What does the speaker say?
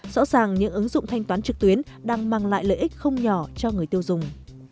rõ ràng những ứng dụng thanh toán trực tuyến đang mang lại lợi ích không nhỏ cho người tiêu dùng